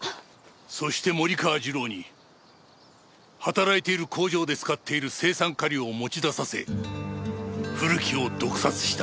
そして森川次郎に働いている工場で使っている青酸カリを持ち出させ古木を毒殺した。